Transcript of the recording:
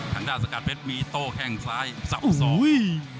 ทางด้านสกัดเพชรมีโต้แข้งซ้ายสับสย